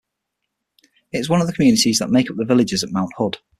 It is one of the communities that make up the Villages at Mount Hood.